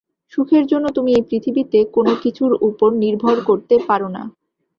সুখের জন্য তুমি এই পৃথিবীর কোন কিছুর উপর নির্ভর করিতে পার না।